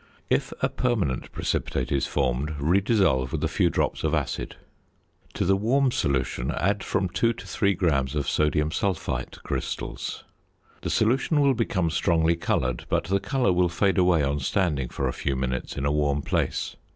If a permanent precipitate is formed, redissolve with a few drops of acid. To the warm solution add from 2 to 3 grams of sodium sulphite crystals. The solution will become strongly coloured, but the colour will fade away on standing for a few minutes in a warm place.